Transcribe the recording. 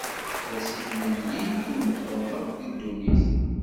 D asif n Nnil i imeqqren akk deg ddunnit.